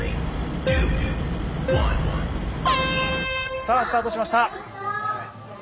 さあスタートしました。